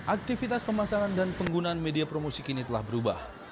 aktivitas pemasaran dan penggunaan media promosi kini telah berubah